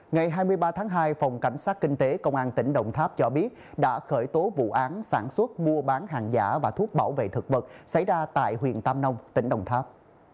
ngày hai mươi ba tháng hai phòng cảnh sát kinh tế công an tỉnh đồng tháp cho biết đã khởi tố vụ án sản xuất mua bán hàng giả và thuốc bảo vệ thực vật xảy ra tại huyện tam nông tỉnh đồng tháp